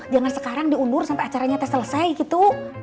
jangan sekarang diundur sampai acaranya tes selesai gitu